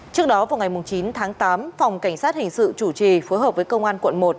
trước đó vào ngày chín tháng tám phòng cảnh sát hình sự chủ trì phối hợp với công an quận một